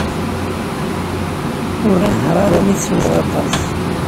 Ur nehher ara mi teswiḍ aṭas.